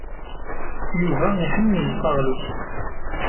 Yuba iḥemmel taɣlust.